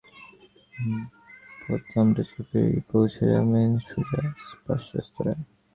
নিচতলা থেকে লিফটের পাঁচ নম্বর বোতামটা চেপেই পৌঁছে যাবেন সোজা স্প্ল্যাশ রেস্তোরাঁয়।